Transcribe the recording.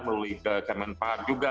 melalui ke kemenpahat juga